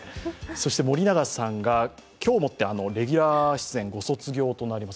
そして森永さんが今日をもってレギュラー出演、ご卒業となります